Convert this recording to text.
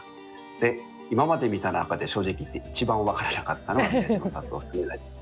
で今まで見た中で正直言って一番分からなかったのが宮島達男さんになります。